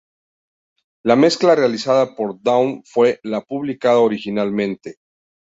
La mezcla realizada por Dowd fue la publicada originalmente.